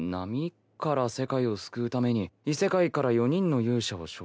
「から世界を救うために異世界から４人の勇者を召喚する」と。